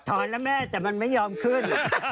แล้วแม่แต่มันไม่ยอมขึ้น